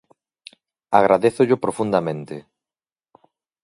Agradézollo profundamente.